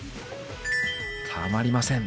たまりません。